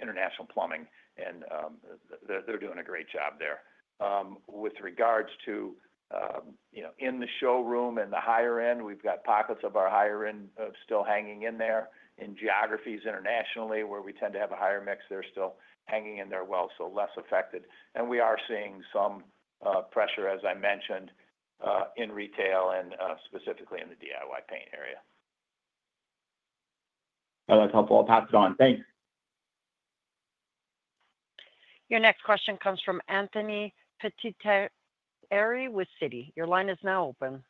international plumbing and they're doing a great job there with regards to in the showroom and the higher end. We've got pockets of our higher end still hanging in there in geographies internationally where we tend to have a higher mix. They're still hanging in there well, so less affected. We are seeing some pressure as I mentioned in retail and specifically in the DIY paint area. That's helpful, I'll pass it on. Thanks. Your next question comes from Anthony Pettinari with Citi. Your line is now open.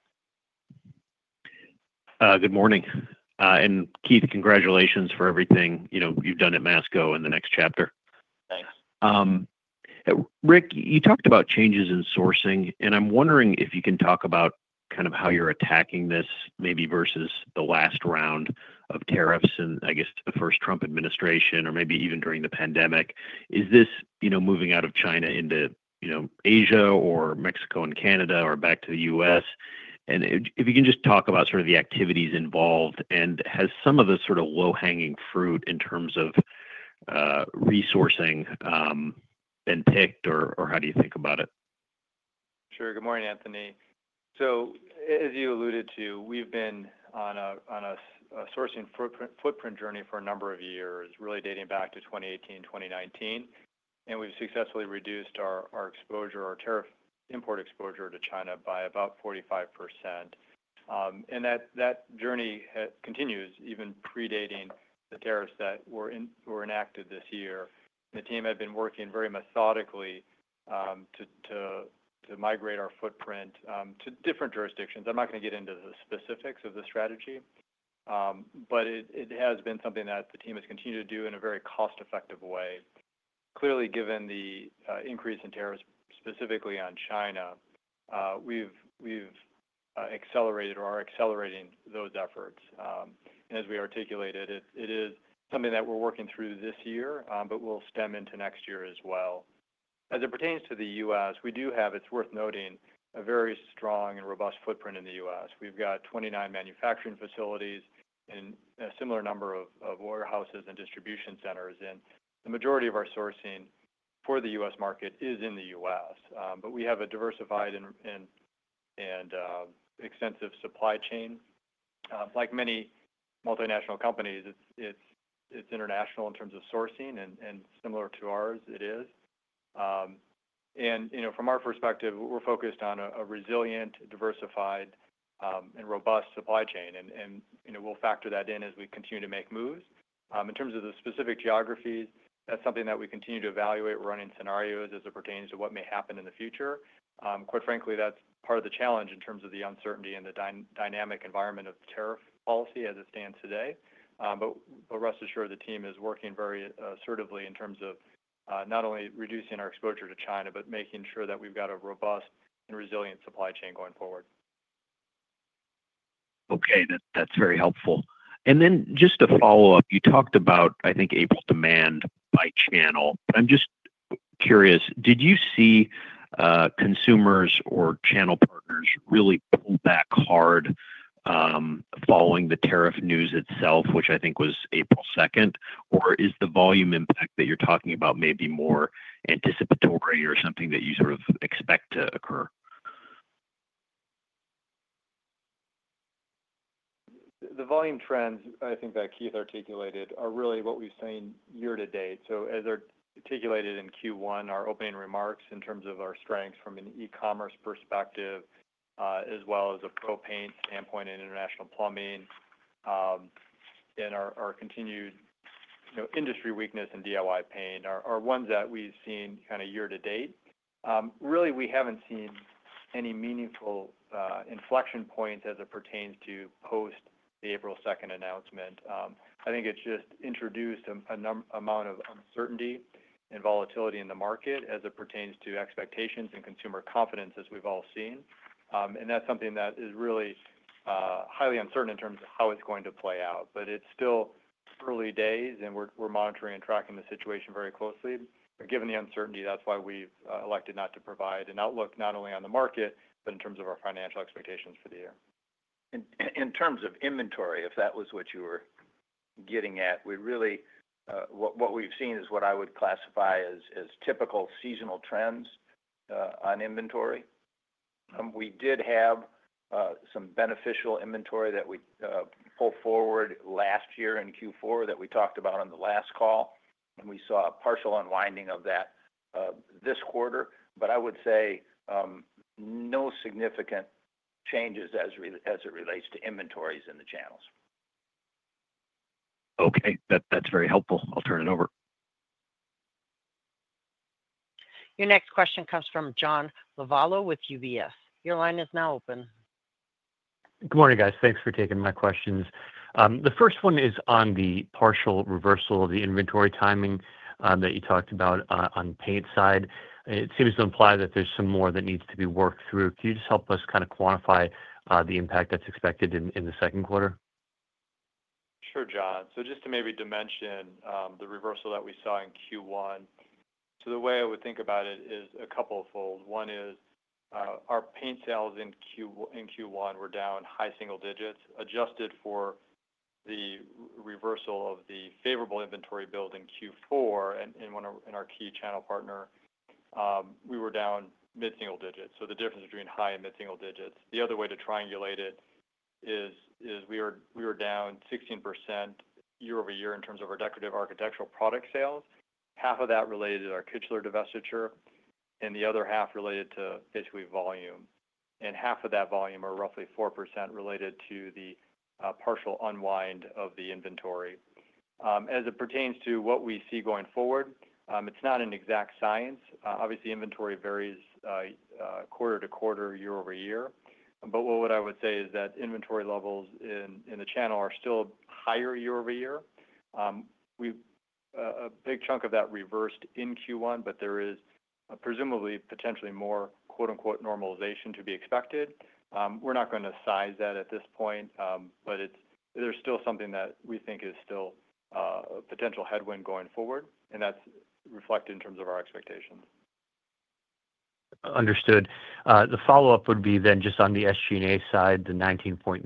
Good morning. Keith, congratulations for everything you know you've done at Masco in the next chapter. Thanks. Rick. You talked about changes in sourcing and I'm wondering if you can talk about kind of how you're attacking this maybe versus the last round of tariffs and I guess the first Trump administration or maybe even during the pandemic. Is this moving out of China into Asia or Mexico and Canada or back to the U.S. and if you can just talk about the activities involved and has some of the sort of low hanging fruit in terms of re-sourcing been ticked or how do you think about it? Sure. Good morning, Anthony. As you alluded to, we've been on a sourcing for footprint journey for a number of years, really dating back to 2018, 2019. We've successfully reduced our exposure, our tariff import exposure to China by about 45%. That journey continues, even predating the tariffs that were enacted this year. The team had been working very methodically to migrate our footprint to different jurisdictions. I'm not going to get into the specifics of the strategy, but it has been something that the team has continued to do in a very cost effective way. Clearly, given the increase in tariffs specifically on China, we've accelerated or are accelerating those efforts as we articulated. It is something that we're working through this year but will stem into next year as well. As it pertains to the U.S. We do have, it's worth noting, a very strong and robust footprint in the U.S. We've got 29 manufacturing facilities and a similar number of warehouses and distribution centers. The majority of our sourcing for the U.S. market is in the U.S., but we have a diversified and extensive supply chain. Like many multinational companies, it's international in terms of sourcing and similar to ours. It is you know, from our perspective, we're focused on a resilient, diversified and robust supply chain. We'll factor that in as we continue to make moves in terms of the specific geographies. That's something that we continue to evaluate, running scenarios as it pertains to what may happen in the future. Quite frankly, that's part of the challenge in terms of the uncertainty and the dynamic environment of tariff policy as it stands today. Rest assured, the team is working very assertively in terms of not only reducing our exposure to China, but making sure that we've got a robust and resilient supply chain going forward. Okay, that's very helpful. Just to follow up, you talked about, I think, April, demand by channel. I'm just curious, did you see consumers or channel partners really pull back hard following the tariff news itself, which I think was April 2, or is the volume impact that you're talking about maybe more anticipatory or something that you sort of expect to occur? The volume trends, I think that Keith articulated are really what we've seen year to date. As articulated in Q1, our opening remarks in terms of our strengths from an e-commerce perspective, as well as a pro paint standpoint in international plumbing. Our continued industry weakness in DIY paint are ones that we've seen kind of year to date. Really, we haven't seen any meaningful inflection points as it pertains to post the April 2 announcement. I think it's just introduced an amount of uncertainty and volatility in the market as it pertains to expectations and consumer confidence, as we've all seen. That's something that is really highly uncertain in terms of how it's going to play out. It is still early days and we're monitoring and tracking the situation very closely given the uncertainty. That's why we've elected not to provide an outlook not only on the market, but in terms of our financial expectations for the year. In terms of inventory, if that was what you were getting at, we really what we've seen is what I would classify as typical seasonal trends on inventory. We did have some beneficial inventory that we pull forward last year in Q4 that we talked about on the last call, and we saw a partial unwinding of that this quarter. I would say no significant changes as it relates to inventories in the channels. Okay, that's very helpful. I'll turn it over. Your next question comes from John Lovallo with UBS. Your line is now open. Good morning guys. Thanks for taking my questions. The first one is on the partial reversal of the inventory timing that you talked about on the paint side. It seems to imply that there's some more that needs to be worked through. Can you just help us kind of quantify the impact that's expected in the Q2? Sure, John. Just to maybe dimension the reversal that we saw in Q1. The way I would think about it is a couple fold. One is our paint sales in Q1 were down high single digits adjusted for the reversal of the favorable inventory build in Q4. In our key channel partner, we were down mid single digits. The difference between high and mid single digits, the other way to triangulate it is we were down 16% year over year in terms of our decorative architectural product sales. Half of that related to our Kichler divestiture and the other half related to basically volume, and half of that volume, or roughly 4%, related to the partial unwind of the inventory. As it pertains to what we see going forward, it's not an exact science, obviously. Inventory varies quarter to quarter, year over year. What I would say is that inventory levels in the channel are still higher year over year, a big chunk of that reversed in Q1, but there is presumably potentially more quote unquote normalization to be expected. We're not going to size that at this point, but there's still something that we think is still a potential headwind going forward and that's reflected in terms of our expectations. Understood. The follow up would be then just on the SG&A side, the 19.9%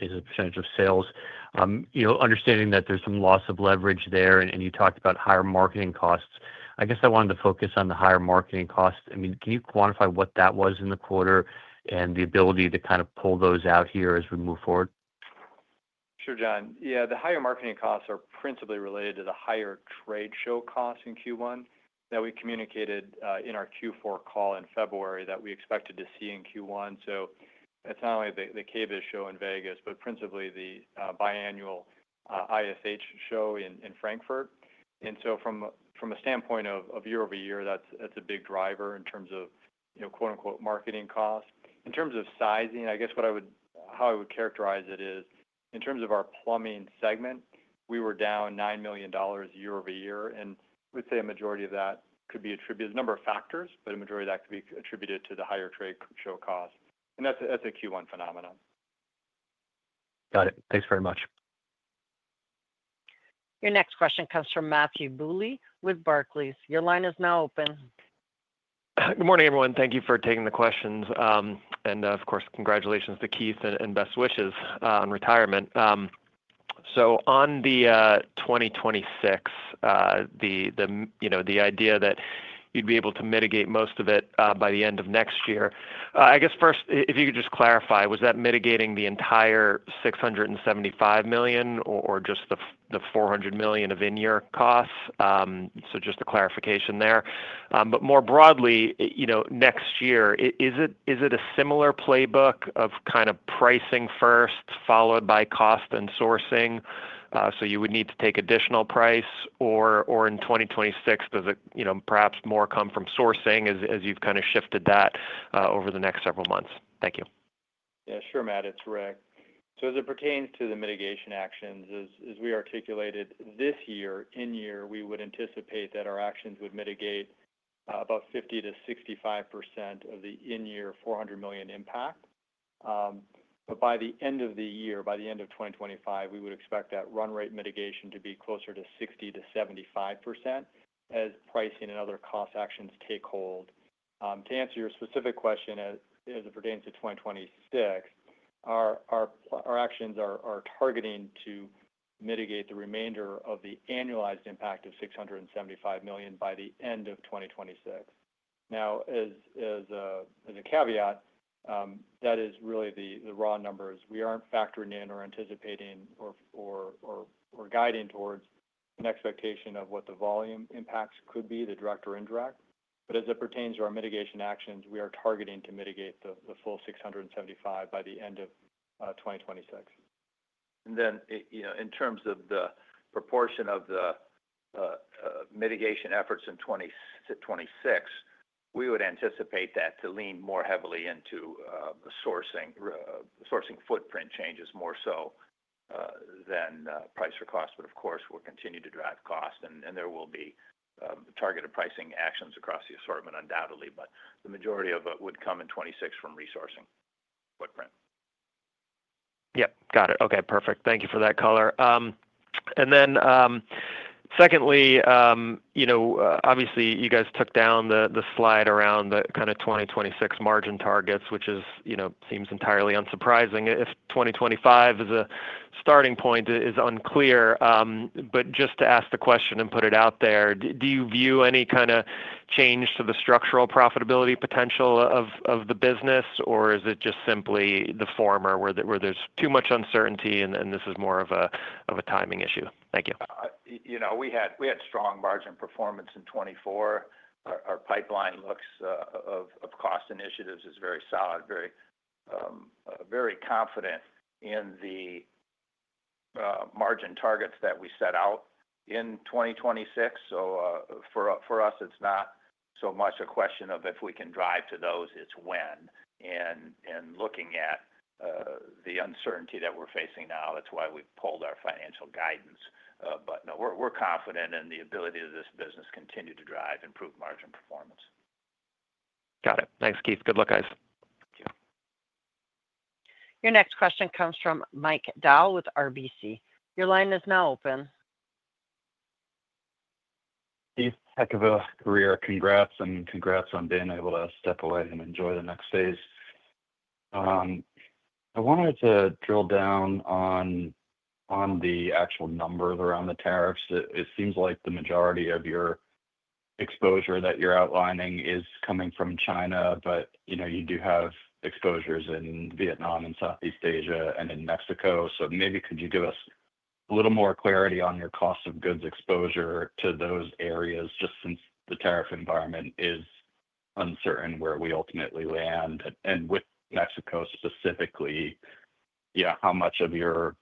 is a percentage of sales. You know, understanding that there's some loss of leverage there. You talked about higher marketing costs. I guess I wanted to focus on the higher marketing costs. I mean, can you qualify what that was in the quarter and the ability to kind of pull those out here as we move forward? Sure, John. Yeah. The higher marketing costs are principally related to the higher trade show costs in Q1 that we communicated in our Q4 call in February that we expected to see in Q1. It is not only the KBIS show in Vegas, but principally the biennial ISH show in Frankfurt. From a standpoint of year over year, that is a big driver in terms of quote unquote marketing costs. In terms of sizing, I guess how I would characterize it is in terms of our plumbing segment, we were down $9 million year over year. We would say a majority of that could be attributed to a number of factors, but a majority of that could be attributed to the higher trade show cost. That is a Q1 phenomenon. Got it. Thanks very much. Your next question comes from Matthew Bouley with Barclays. Your line is now open. Good morning everyone. Thank you for taking the questions and of course congratulations to Keith and best wishes on retirement. On the 2026, the, you know, the idea that you'd be able to mitigate most of it by the end of next year, I guess first if you could just clarify, clarify, was that mitigating the entire $675 million or just the $400 million of in year costs? Just a clarification there. More broadly, next year is it a similar playbook of kind of pricing first followed by cost and sourcing? You would need to take additional price or in 2026, does it perhaps more come from sourcing as you've kind of shifted that over the next several months? Thank you. Yeah, sure. Matt, it's Rick. As it pertains to the mitigation actions as we articulated this year in year, we would anticipate that our actions would mitigate about 50-65% of the in year $400 million impact. By the end of the year, by the end of 2025, we would expect that run rate mitigation to be closer to 60-75% as pricing and other cost-out actions take hold. To answer your specific question, as it pertains to 2026, our actions are targeting to mitigate the remainder of the annualized impact of $675 million by the end of 2026. Now, as a caveat, that is really the raw numbers. We are not factoring in or anticipating or guiding towards an expectation of what the volume impacts could be, the direct or indirect. As it pertains to our mitigation actions, we are targeting to mitigate the full $675 million by the end of 2026. In terms of the proportion of the mitigation efforts in 2026, we would anticipate that to lean more heavily into sourcing. Sourcing footprint changes more so than price or cost. Of course, we will continue to drive cost and there will be targeted pricing actions across the assortment, undoubtedly. The majority of it would come in 2026 from re-sourcing footprint. Yep, got it. Okay, perfect. Thank you for that color. Then secondly, you know, obviously you guys took down the slide around the kind of 2026 margin target, which is, you know, seems entirely unsurprising if 2025 as a starting point is unclear. Just to ask the question and put it out there, do you view any kind of change to the structural profitability potential of the business or is it just simply the former where there's too much uncertainty? This is more of a timing issue. Thank you. You know, we had strong margin performance in 2015. Our pipeline of cost initiatives is very solid, very confident in the margin targets that we set out in 2026. For us, it's not so much a question of if we can drive to those, it's when. Looking at the uncertainty that we're facing now, that's why we pulled our financial guidance. We're confident in the ability of this business to continue to drive improved margin performance. Got it. Thanks, Keith. Good luck, guys. Your next question comes from Mike Dahl with RBC. Your line is now open. Keith. Heck of a career. Congrats. Congrats on being able to step away and enjoy the next phase. I wanted to drill down on the actual numbers around the tariffs. It seems like the majority of your exposure that you're outlining is coming from China, but you do have exposures in Vietnam and Southeast Asia and in Mexico. Maybe could you give us a little more clarity on your cost of goods exposure to those areas, just since the tariff environment is uncertain where we ultimately land and with Mexico specifically yeah how much of your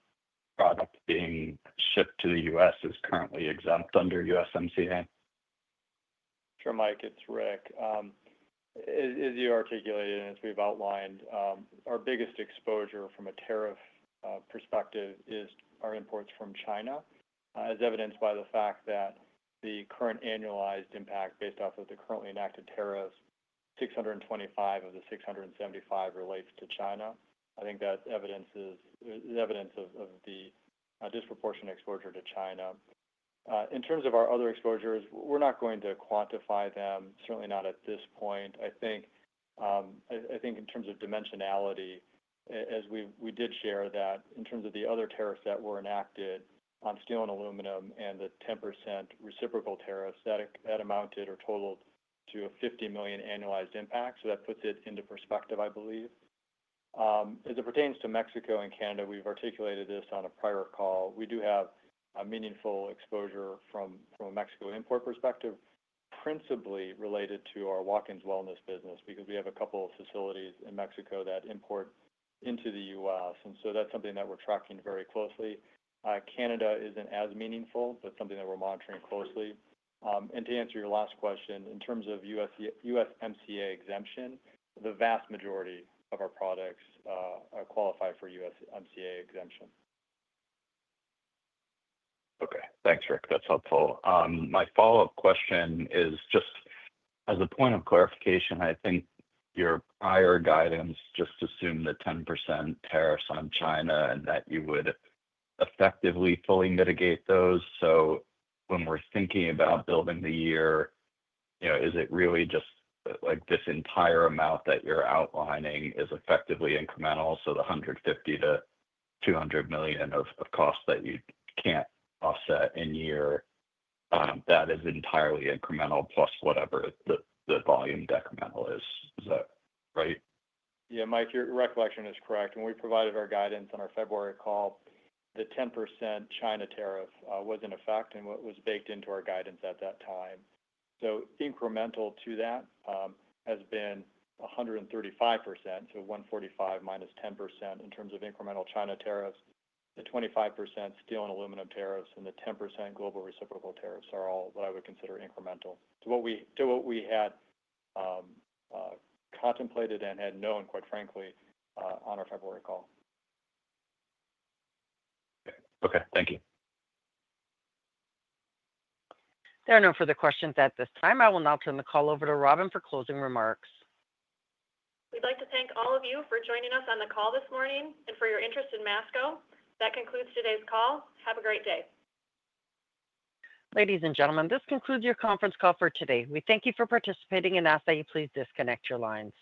product being shipped to the U.S. is currently exempt under USMCA? Sure. Mike, it's Rick, as you articulated and as we've outlined, our biggest exposure from a tariff perspective is our imports from China, as evidenced by the fact that the current annualized impact based off of the currently enacted tariffs, $625 million of the $675 million relates to China. I think that evidence is evidence of the disproportionate exposure to China. In terms of our other exposures, we're not going to quantify them, certainly not at this point. I think in terms of dimensionality as we did share that in terms of the other tariffs that were enacted on steel and aluminum and the 10% reciprocal tariffs that amounted or totaled to a $50 million annualized impact. That puts it into perspective, I believe as it pertains to Mexico and Canada. We've articulated this on a prior call. We do have a meaningful exposure from a Mexico import perspective, principally related to our Watkins Wellness business because we have a couple of facilities in Mexico that import into the U.S., and that is something that we are tracking very closely. Canada is not as meaningful but is something that we are monitoring closely. To answer your last question in terms of USMCA exemption, the vast majority of our products qualify for USMCA exemption. Okay, thanks Rick, that's helpful. My follow up question is just as a point of clarification, I think your prior guidance just assumed the 10% tariffs on China and that you would effectively fully mitigate those. When we're thinking about building the year, you know, is it really just like this entire amount that you're outlining is effectively incremental? The $150 million-$200 million of costs that you can't offset in year, that is entirely incremental plus whatever the volume decremental is, right? Yeah. Mike, your recollection is correct. When we provided our guidance on our February call, the 10% China tariff was in effect and was baked into our guidance at that time. Incremental to that has been 135%. So 145% minus 10% in terms of incremental China tariffs, the 25% steel and aluminum tariffs and the 10% global reciprocal tariffs are all what I would consider incremental to what we had contemplated and had known, quite frankly, on our February call. Okay, thank you. There are no further questions at this time. I will now turn the call over to Robin for closing remarks. We'd like to thank all of you for joining us on the call this morning and for your interest in Masco. That concludes today's call. Have a great day. Ladies and gentlemen, this concludes your conference call for today. We thank you for participating and ask that you please disconnect your lines.